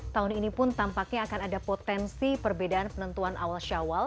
tahun ini pun tampaknya akan ada potensi perbedaan penentuan awal syawal